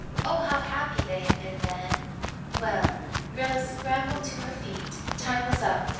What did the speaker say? Oh, how happy they had been then! Well Rilla scrambled to her feet time was up.